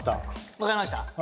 分かりました。